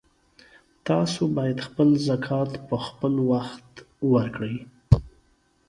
تاسو باید خپل زکات په خپلوخت ورکړئ